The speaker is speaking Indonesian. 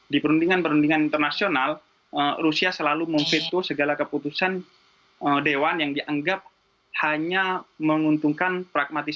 di perundingan perundingan internasional rusia selalu memveto segala keputusan dewan yang dianggap hanya menguntungkan pragmatis